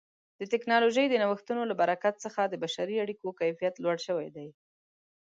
د ټکنالوژۍ د نوښتونو له برکت څخه د بشري اړیکو کیفیت لوړ شوی دی.